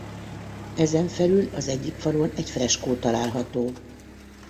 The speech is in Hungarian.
Ezen felül az egyik falon egy freskó található.